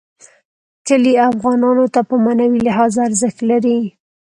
کلي افغانانو ته په معنوي لحاظ ارزښت لري.